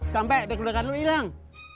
sampai dek dekan lu hilang